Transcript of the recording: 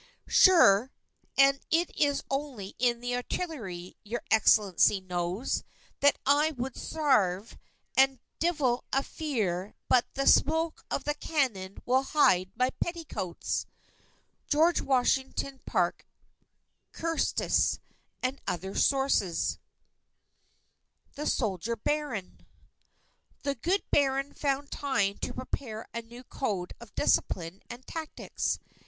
Sure, and it is only in the artillery, your Excellency knows, that I would sarve, and divil a fear but the smoke of the cannon will hide my petticoats!" George Washington Parke Custis, and Other Sources THE SOLDIER BARON _The good Baron found time to prepare a new code of discipline and tactics ...